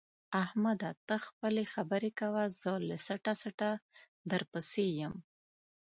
احمده! ته خپلې خبرې کوه زه له څټه څټه درپسې یم.